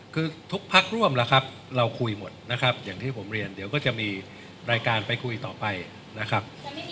คือทุกพักร่วมล่ะครับเราคุยหมดนะครับอย่างที่ผมเรียนเดี๋ยวก็จะมีรายการไปคุยต่อไปนะครับ